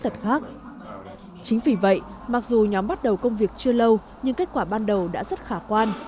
chính vì vậy mặc dù nhóm bắt đầu công việc chưa lâu nhưng kết quả ban đầu đã rất khả quan